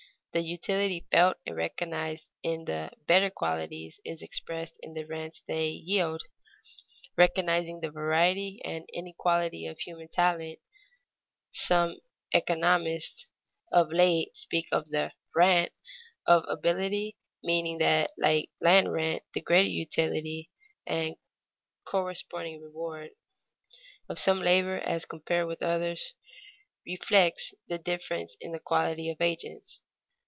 The utility felt and recognized in the better qualities is expressed in the rents they yield. Recognizing the variety and inequality of human talent, some economists of late speak of the "rent" of ability, meaning that, like land rent, the greater utility (and corresponding reward) of some labor as compared with others, reflects the difference in the quality of agents.